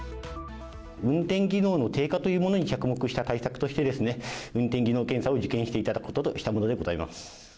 運転技能の低下というものに着目した対策としてですね、運転技能検査を受検していただくこととしたものでございます。